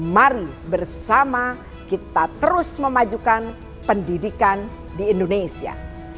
mari bersama kita terus memajukan pendidikan di indonesia